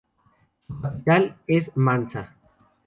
Su capital es Mansa.